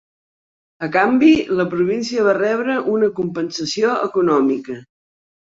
A canvi, la província va rebre una compensació econòmica.